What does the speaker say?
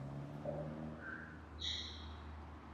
寡妇榧螺为榧螺科榧螺属下的一个种。